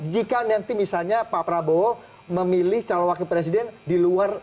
jika nanti misalnya pak prabowo memilih calon wakil presiden di luar